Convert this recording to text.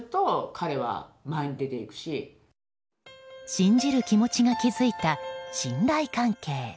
信じる気持ちが築いた信頼関係。